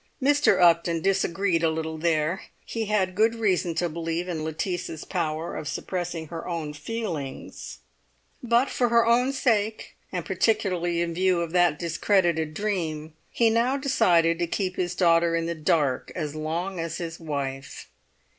Mr. Upton disagreed a little there; he had good reason to believe in Lettice's power of suppressing her own feelings; but for her own sake, and particularly in view of that discredited dream, he now decided to keep his daughter in the dark as long as his wife.